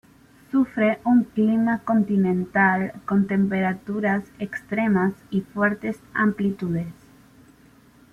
Sufre un clima continental con temperaturas extremas y fuertes amplitudes.